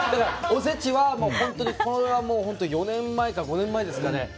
おせちは、これは本当に４年前か５年前ですかね。